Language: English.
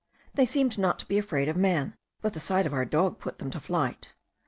They seemed not to be afraid of man, but the sight of our dog put them to flight.